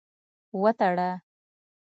وتړه.